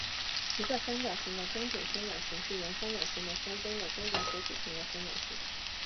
一个三角形的中点三角形是原三角形的三边的中点所组成的三角形。